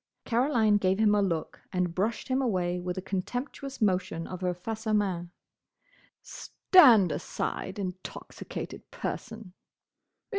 Caroline gave him a look and brushed him away with a contemptuous motion of her face à main. "Stand aside, intoxicated person!"